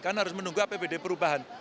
karena harus menunggu apbd perubahan